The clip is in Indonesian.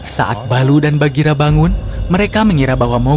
saat baloo dan bagheera bangun mereka mengira bahwa mowgli akan menangis